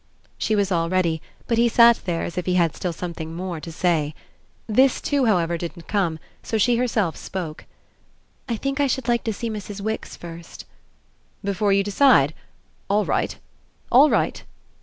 She was all ready, but he sat there as if he had still something more to say. This too, however, didn't come; so she herself spoke. "I think I should like to see Mrs. Wix first." "Before you decide? All right all right."